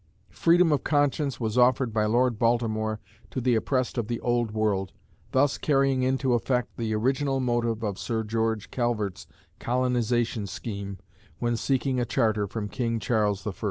Freedom of conscience was offered by Lord Baltimore to the oppressed of the Old World, thus carrying into effect the original motive of Sir George Calvert's colonization scheme when seeking a charter from King Charles I.